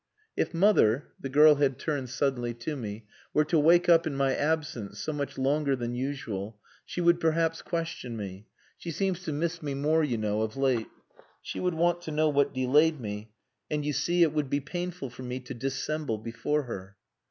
"If mother" the girl had turned suddenly to me, "were to wake up in my absence (so much longer than usual) she would perhaps question me. She seems to miss me more, you know, of late. She would want to know what delayed me and, you see, it would be painful for me to dissemble before her."